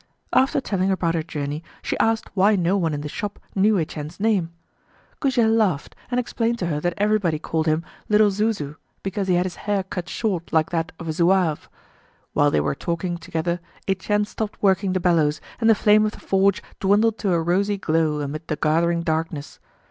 After telling about her journey, she asked why no one in the shop knew Etienne's name. Goujet laughed and explained to her that everybody called him "Little Zouzou" because he had his hair cut short like that of a Zouave. While they were talking together Etienne stopped working the bellows and the flame of the forge dwindled to a rosy glow amid the gathering darkness.